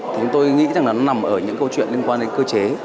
thì tôi nghĩ rằng nó nằm ở những câu chuyện liên quan đến cơ chế